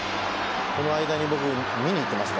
この間に僕見に行ってますからね。